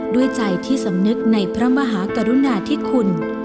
ด้วยใจที่สำนึกในพระมหากรุณาธิคุณ